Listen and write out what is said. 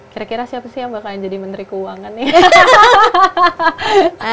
kira kira siapa sih yang bakalan jadi menteri keuangan nih